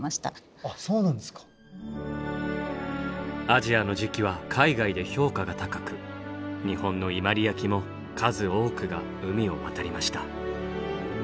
アジアの磁器は海外で評価が高く日本の伊万里焼も数多くが海を渡りました。